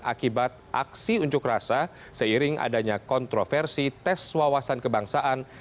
akibat aksi unjuk rasa seiring adanya kontroversi tes wawasan kebangsaan